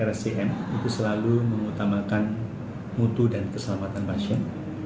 kenan pasien di rscm itu selalu mengutamakan mutu dan keselamatan pasien